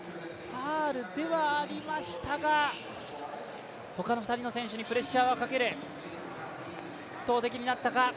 ファウルではありましたが、他の２人の選手にプレッシャーはかける投てきになったか。